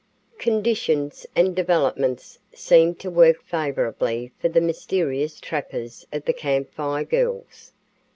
Conditions and developments seemed to work favorably for the mysterious trappers of the Camp Fire Girls.